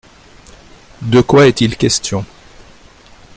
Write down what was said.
De quoi est-il question ?